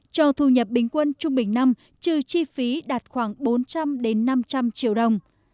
cho thu nhập bình quân trung bình năm trừ chi phí đạt khoảng bốn trăm linh năm trăm linh triệu đồng